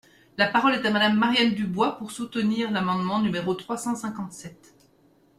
La parole est à Madame Marianne Dubois, pour soutenir l’amendement numéro trois cent cinquante-sept.